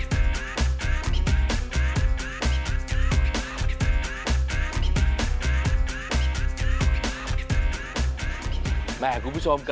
ไม่รอชาติเดี๋ยวเราลงไปพิสูจน์ความอร่อยกันครับ